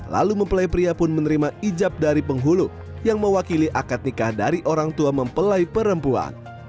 lalu mempelai pria pun menerima ijab dari penghulu yang mewakili akad nikah dari orang tua mempelai perempuan